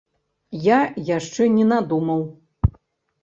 Я яшчэ не надумаў.